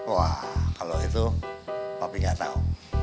wah kalau itu papi gak tahu